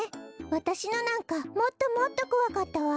わたしのなんかもっともっとこわかったわ。